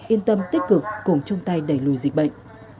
yên tâm tích cực cùng chung tay đẩy lùi dịch bệnh